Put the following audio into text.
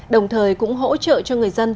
đồng thời cũng hỗ trợ cho người dân